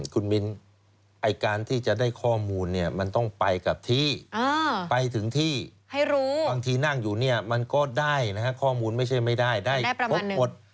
คุณมิ้นไอ้การที่จะได้ข้อมูลเนี่ยมันต้องไปกับที่ไปถึงที่ให้รู้บางทีนั่งอยู่เนี่ยมันก็ได้นะฮะข้อมูลไม่ใช่ไม่ได้ได้ครบหมด